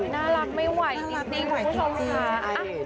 น่ารักไม่ไหวจริงคุณผู้ชมค่ะ